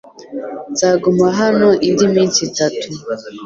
Nzaguma hano indi minsi itatu